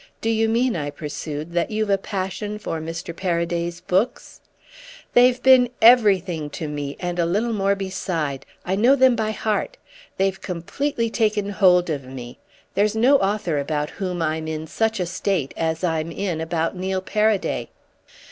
Do you mean," I pursued, "that you've a passion for Mr. Paraday's books?" "They've been everything to me and a little more beside—I know them by heart. They've completely taken hold of me. There's no author about whom I'm in such a state as I'm in about Neil Paraday."